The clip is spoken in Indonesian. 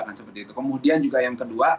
kemudian yang kedua